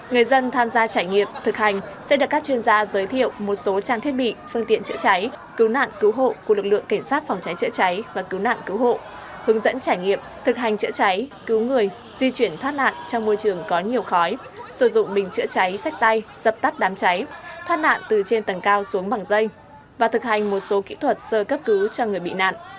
người dân tham gia trải nghiệm thực hành sẽ được các chuyên gia giới thiệu một số trang thiết bị phương tiện chữa cháy cứu nạn cứu hộ của lực lượng cảnh sát phòng cháy chữa cháy và cứu nạn cứu hộ hướng dẫn trải nghiệm thực hành chữa cháy cứu người di chuyển thoát nạn trong môi trường có nhiều khói sử dụng bình chữa cháy sách tay dập tắt đám cháy thoát nạn từ trên tầng cao xuống bằng dây và thực hành một số kỹ thuật sơ cấp cứu cho người bị nạn